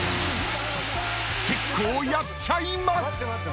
［結構やっちゃいます！］